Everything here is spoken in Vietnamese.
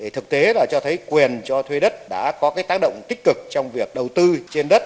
thực tế là cho thấy quyền cho thuê đất đã có tác động tích cực trong việc đầu tư trên đất